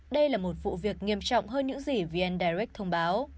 đây là một vụ việc nghiêm trọng hơn những gì vn direct thông báo